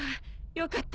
よかった。